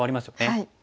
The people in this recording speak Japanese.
はい。